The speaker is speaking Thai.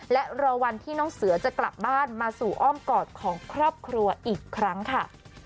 และรอวันที่น้องเสือจะกลับบ้านมาสู่อ้อมกอดของครอบครัวอีกครั้งค่ะ